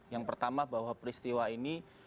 yang pertama bahwa peristiwa ini